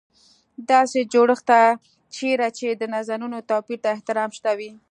داسې جوړښت ته چېرې چې د نظرونو توپیر ته احترام شته وي.